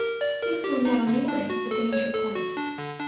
Things were now nearing the danger point.